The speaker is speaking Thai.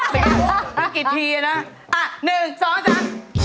เมื่อกี่ทีนะอ่ะ๑๒๓